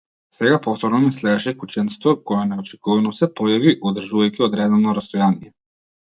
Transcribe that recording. Сега повторно ме следеше кученцето, кое неочекувано се појави, одржувајќи одредено растојание.